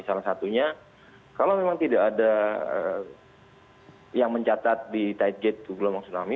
salah satunya kalau memang tidak ada yang mencatat di tight gate gelombang tsunami